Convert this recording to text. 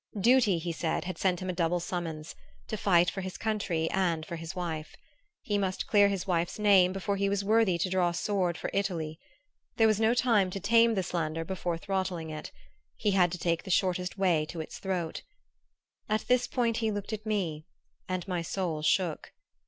Duty, he said, had sent him a double summons; to fight for his country and for his wife. He must clear his wife's name before he was worthy to draw sword for Italy. There was no time to tame the slander before throttling it; he had to take the shortest way to its throat. At this point he looked at me and my soul shook.